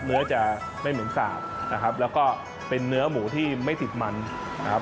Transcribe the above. เนื้อจะไม่เหม็นสาบนะครับแล้วก็เป็นเนื้อหมูที่ไม่ติดมันนะครับ